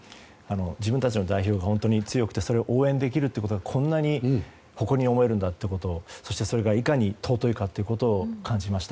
自分たちの代表が本当に強くてそれを応援できるということがこんなに誇りに思えるんだってことをそして、それがいかに尊いかを感じました。